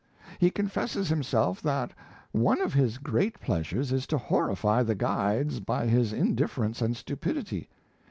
He confesses himself that one of his great pleasures is to horrify the guides by his indifference and stupidity.